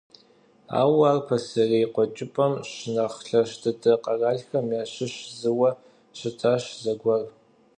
Ауэ ар пасэрей Къуэкӏыпӏэм щынэхъ лъэщ дыдэ къэралхэм ящыщ зыуэ щытащ зэгуэр.